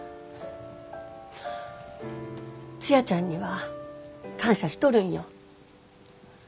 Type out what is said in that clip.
ツヤちゃんには感謝しとるんよ。